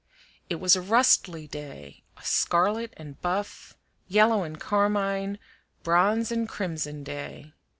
It was a rustly day, a scarlet and buff, yellow and carmine, bronze and crimson day.